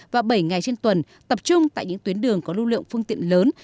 và bảy ngày trên tuần tập trung tại những tuyến đường có lưu lượng phương tiện lớn